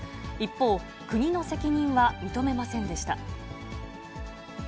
一方、国の責任は認めませんでし